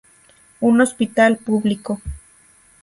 Un hospital público.